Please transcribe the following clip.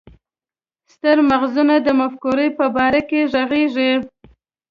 ستر مغزونه د مفکورو په باره کې ږغيږي.